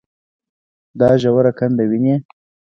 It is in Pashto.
دا ژوره کنده وينې.